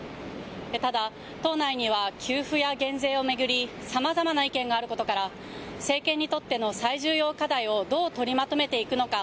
ただ党内には給付や減税を巡りさまざまな意見があることから政権にとっての最重要課題をどう取りまとめていくのか。